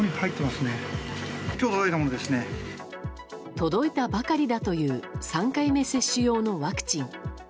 届いたばかりだという３回目接種用のワクチン。